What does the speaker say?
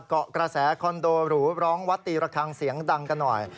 เกาะกระแสคอนโดหรูร้องวัดตีระคังเสียงดังกันหน่อย